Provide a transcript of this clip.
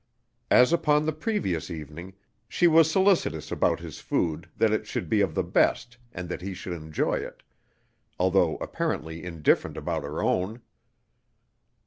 As upon the previous evening, she was solicitous about his food, that it should be of the best, and that he should enjoy it, although apparently indifferent about her own.